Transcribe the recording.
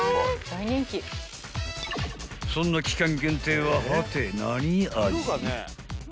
［そんな期間限定ははて何味？］